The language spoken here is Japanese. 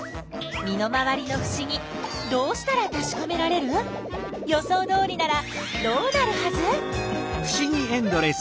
身の回りのふしぎどうしたらたしかめられる？予想どおりならどうなるはず？